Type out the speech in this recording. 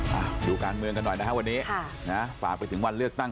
มาดูการเมืองกันหน่อยนะฮะวันนี้ค่ะนะฝากไปถึงวันเลือกตั้ง